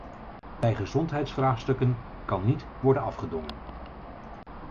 Bij gezondheidsvraagstukken kan niet worden afgedongen!